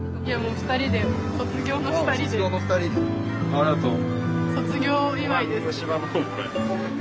ありがとう。